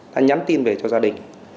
đã nhắn tin về cho gia đình